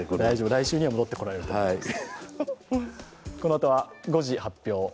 来週には戻ってこられると思います。